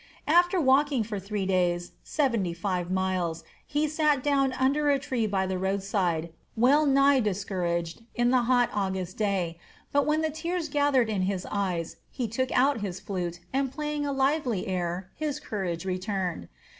After walking for three days, seventy five miles, he sat down under a tree by the roadside, wellnigh discouraged, in the hot August day; but when the tears gathered in his eyes, he took out his flute, and playing a lively air, his courage returned.